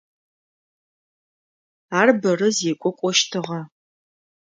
Ар бэрэ зекӏо кӏощтыгъэ.